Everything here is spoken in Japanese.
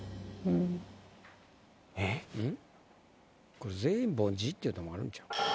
これ全員凡人っていうのもあるんちゃう。